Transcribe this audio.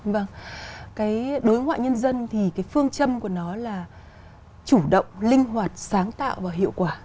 vâng cái đối ngoại nhân dân thì cái phương châm của nó là chủ động linh hoạt sáng tạo và hiệu quả